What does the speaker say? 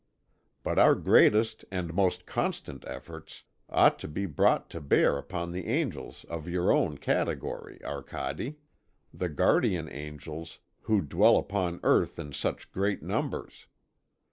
But our greatest and most constant efforts ought to be brought to bear upon the angels of your own category, Arcade; the guardian angels, who dwell upon earth in such great numbers.